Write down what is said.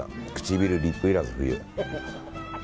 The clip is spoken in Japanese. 唇、リップいらずで。